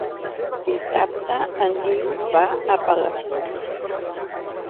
Dissabte en Guiu va a Palafolls.